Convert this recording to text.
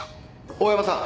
大山さん